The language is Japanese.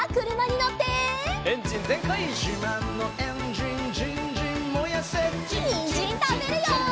にんじんたべるよ！